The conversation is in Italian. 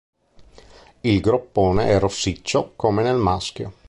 Il groppone è rossiccio come nel maschio.